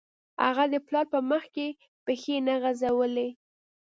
هغه د پلار په مخکې پښې نه غځولې